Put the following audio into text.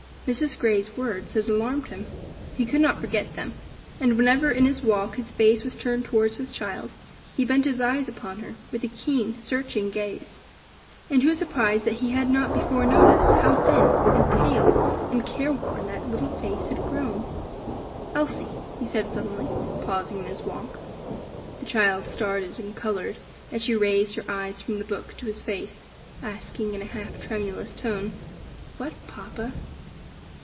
Mrs. Grey's words had alarmed him; he could not forget them, and whenever in his walk his face was turned towards his child, he bent his eyes upon her with a keen, searching gaze; and he was surprised that he had not before noticed how thin, and pale, and careworn that little face had grown. "Elsie," he said suddenly, pausing in his walk. The child started and colored, as she raised her eyes from the book to his face, asking, in a half tremulous tone, "What, papa?"